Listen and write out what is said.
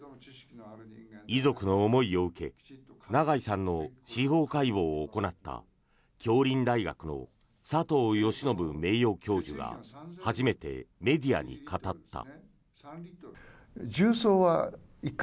遺族の思いを受け長井さんの司法解剖を行った杏林大学の佐藤喜宣名誉教授が初めてメディアに語った。